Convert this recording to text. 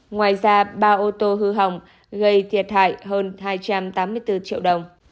ngoài ra ba ô tô hư hỏng gây thiệt hại hơn hai trăm tám mươi bốn triệu đồng